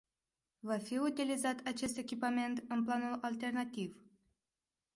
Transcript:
Va fi utilizat acest echipament în planul alternativ?